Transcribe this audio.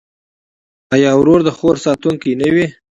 آیا ورور د خور ساتونکی نه وي؟